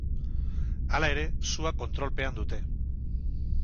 Hala ere, sua kontrolpean dute.